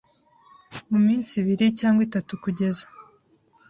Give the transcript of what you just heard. mu minsi ibiri cyangwa itatu kugeza